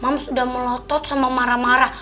mams udah melotot sama marah marah